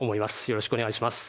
よろしくお願いします。